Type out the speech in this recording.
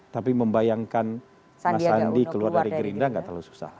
tapi membayangkan mas andi keluar dari gerindra nggak terlalu susah